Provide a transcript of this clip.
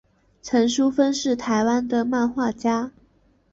陈淑芬是台湾的漫画家。